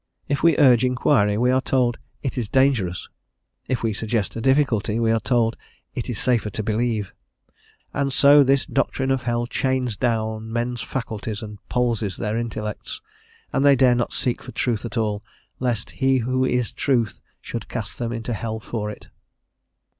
If we urge inquiry, we are told "it is dangerous;" if we suggest a difficulty, we are told "it is safer to believe;" and so this doctrine of hell chains down men's faculties and palsies their intellects, and they dare not seek for truth at all, lest he who is Truth should cast them into hell for it.